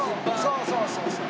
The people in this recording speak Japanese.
そうそうそうそう。